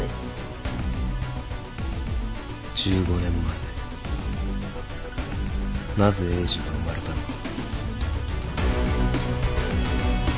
１５年前なぜエイジが生まれたのか。